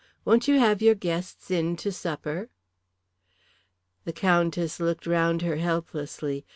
Won't you have your guests in to supper?" The Countess looked round her helplessly.